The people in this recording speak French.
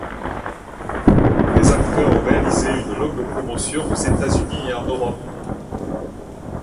Les acteurs ont réalisé une longue promotion aux États-Unis et en Europe.